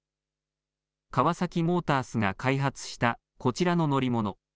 カワサキモータースが開発したこちらの乗り物。